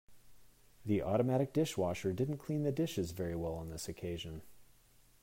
The automatic dishwasher didn't clean the dishes very well on this occasion.